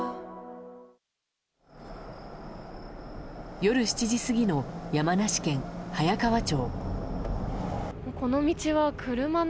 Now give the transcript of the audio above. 夜７時過ぎの山梨県早川町。